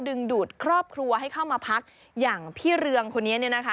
ดึงดูดครอบครัวให้เข้ามาพักอย่างพี่เรืองคนนี้เนี่ยนะคะ